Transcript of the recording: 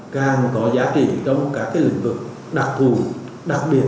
càng có giá trị trong các lĩnh vực đặc thù đặc biệt